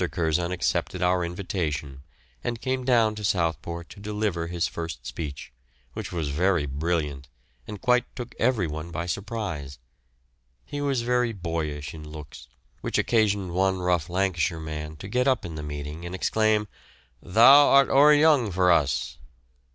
Curzon accepted our invitation, and came down to Southport to deliver his first speech, which was very brilliant, and quite took everyone by surprise. He was very boyish in looks, which occasioned one rough Lancashire man to get up in the meeting and exclaim, "Thou art o'er young for us."